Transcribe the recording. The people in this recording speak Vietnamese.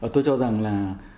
tôi cho rằng là